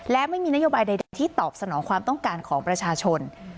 และไม่มีนโยบายใดที่ตอบสนองความต้องการของประชาชน